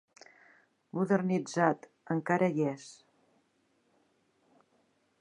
Modernitzat, encara hi és.